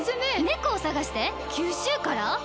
猫を捜して九州から？